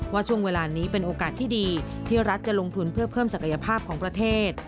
ว่าช่วงเวลานี้เป็นโอกาสที่ดีที่รัฐจะลงทุนเพื่อเพิ่มศักยภาพของประเทศ